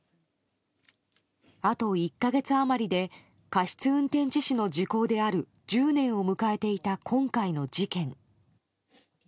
あと１か月余りで過失運転致死の時効である１０年を迎えていた今回の事件。